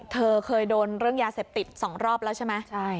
เธอเคยโดนเรื่องยาเสพติด๒รอบแล้วใช่ไหม